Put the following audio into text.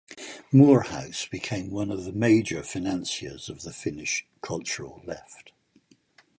Moorhouse became one of the major financiers of the Finnish cultural left.